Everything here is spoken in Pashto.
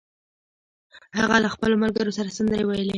هغه له خپلو ملګرو سره سندرې ویلې